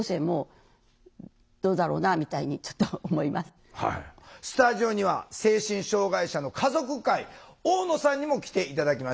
例えばスタジオには精神障害者の家族会大野さんにも来て頂きました。